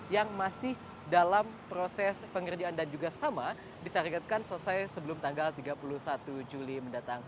yang masih dalam proses pengerjaan dan juga sama ditargetkan selesai sebelum tanggal tiga puluh satu juli mendatang